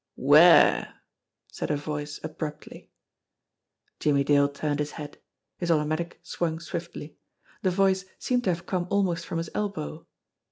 "Where?" said a voice abruptly. Jimmie Dale turned his head ; his automatic swung swiftly. The voice seemed to have come almost from his elbow.